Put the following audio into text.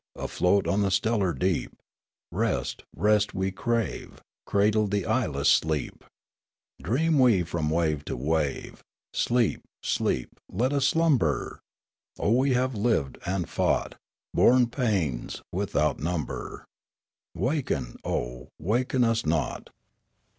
Afloat on the stellar deep Rest, rest, we crave. Cradled to eyeless sleep. Dream we from wave to wave. Sleep, sleep, let us slumber ! Oh, we have lived and fought. Borne pains without number. Waken, Oh, waken us not.